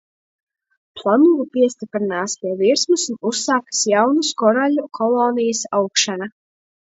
Planula piestiprinās pie virsmas un uzsākas jaunas koraļļu kolonijas augšana.